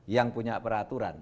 yang punya peraturan